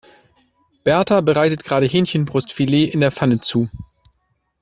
Berta bereitet gerade Hähnchenbrustfilet in der Pfanne zu.